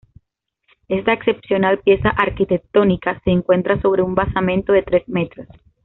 Esta excepcional pieza arquitectónica se encuentra sobre un basamento de tres metros.